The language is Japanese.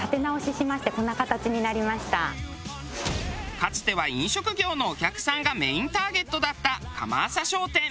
かつては飲食業のお客さんがメインターゲットだった釜浅商店。